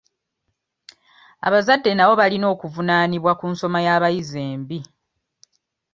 Abazadde nabo balina okuvunaanibwa ku nsoma y'abayizi embi.